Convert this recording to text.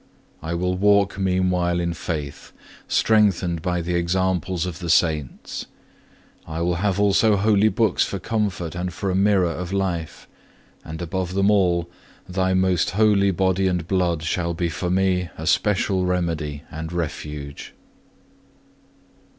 I will walk meanwhile in faith, strengthened by the examples of the Saints. I will have also holy books for comfort and for a mirror of life, and above them all Thy most holy Body and Blood shall be for me a special remedy and refuge.